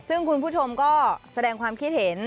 ซึ่งคุณผู้ชมก็แสดงความคิดเห็น